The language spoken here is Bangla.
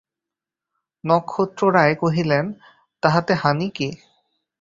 নক্ষত্ররায় কহিলেন, তাহাতে হানি কী?